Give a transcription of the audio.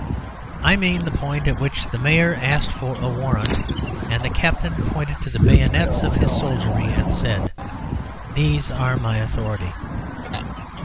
I mean the point at which the Mayor asked for a warrant, and the Captain pointed to the bayonets of his soldiery and said. "These are my authority."